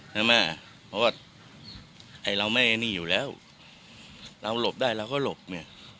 ใช่ไหมเพราะว่าไอ้เราไม่ไอ้นี่อยู่แล้วเราหลบได้เราก็หลบเนี่ย